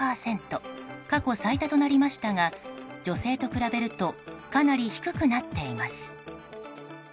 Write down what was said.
過去最多となりましたが女性と比べるとかなり低くなっています。